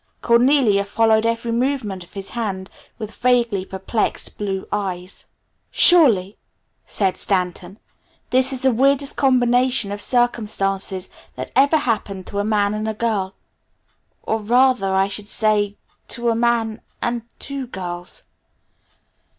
Cornelia followed every movement of his hand with vaguely perplexed blue eyes. "Surely," said Stanton, "this is the weirdest combination of circumstances that ever happened to a man and a girl or rather, I should say, to a man and two girls."